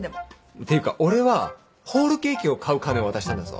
っていうか俺はホールケーキを買う金を渡したんだぞ。